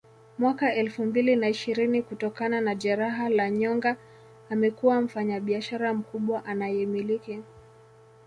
mwaka elfu mbili na ishirini kutokana na jeraha la nyonga amekuwa mfanyabishara mkubwa anayemiliki